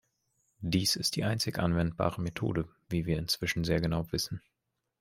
Dies ist die einzig anwendbare Methode, wie wir inzwischen sehr genau wissen.